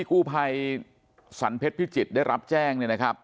คุณยายบุญช่วยนามสกุลสุขล้ำ